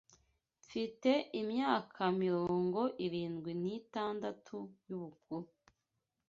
mfite imyaka mirongo irindwi n’itandatu y’ubukuru